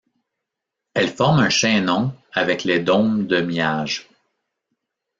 Elle forme un chaînon avec les dômes de Miage.